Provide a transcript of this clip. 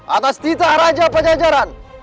atas titah raja pajajaran